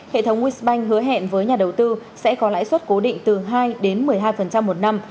hệ thống wins banh hứa hẹn với nhà đầu tư sẽ có lãi suất cố định từ hai đến một mươi hai một năm